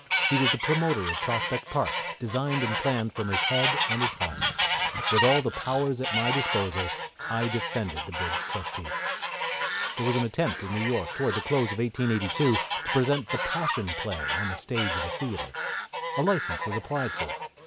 He was the promoter of Prospect Park, designed and planned from his head and heart. With all the powers at my disposal I defended the bridge trustee. There was an attempt in New York, towards the close of 1882, to present the Passion Play on the stage of a theatre. A licence was applied for.